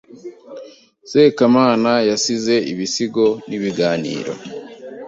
Sekarama yasize ibisigo n’ibiganiro.